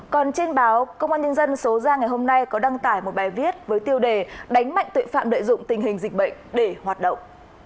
còn trên báo công an nhân dân số ra ngày hôm nay có đăng tải một bài viết với tiêu đề đánh mạnh tội phạm lợi dụng tình hình dịch bệnh để hoạt động